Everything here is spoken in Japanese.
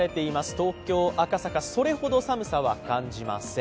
東京・赤坂、それほど寒さは感じません。